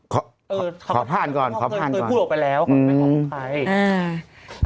ขอผ่านก่อนขอผ่านก่อนขอผ่านก่อนเคยพูดออกไปแล้วมันไม่ของใคร